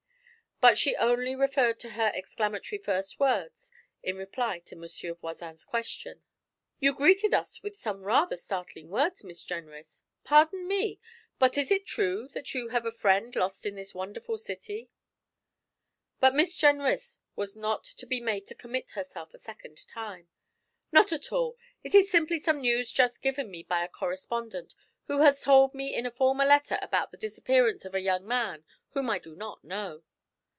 But she only referred to her exclamatory first words in reply to Monsieur Voisin's question: 'You greeted us with some rather startling words, Miss Jenrys. Pardon me, but is it true that you have a friend lost in this wonderful city?' But Miss Jenrys was not to be made to commit herself a second time. 'Not at all; it is simply some news just given me by a correspondent, who has told me in a former letter about the disappearance of a young man whom I do not know.'